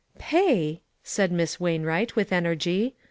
" Pay I " said Miss "Wainwright, with energy.